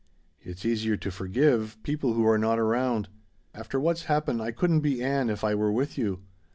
It's easier to forgive people who are not around. After what's happened I couldn't be Ann if I were with you.